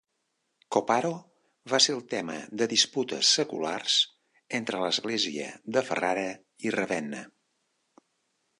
Copparo va ser el tema de disputes seculars entre l'Església de Ferrara i Ravenna.